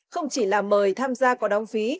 không chỉ là mời tham gia có đóng phí